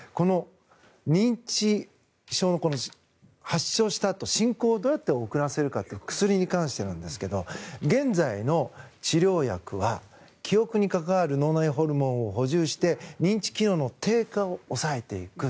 認知症を発症したあと進行をどうやって遅らせるかという薬に関してなんですが現在の治療薬は記憶に関わる脳内ホルモンを補充して認知機能の低下を抑えていく。